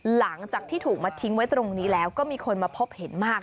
หลังจากที่ถูกมาทิ้งไว้ตรงนี้แล้วก็มีคนมาพบเห็นมาก